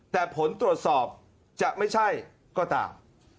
แต่ผลตรวจสอบจะไม่ใช่ก็ตาม